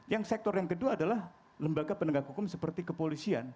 yang sektor yang kedua adalah lembaga penegak hukum seperti kepolisian